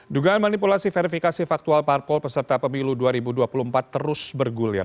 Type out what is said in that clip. dugaan manipulasi verifikasi faktual parpol peserta pemilu dua ribu dua puluh empat terus bergulir